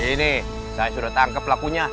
ini saya sudah tangkap pelakunya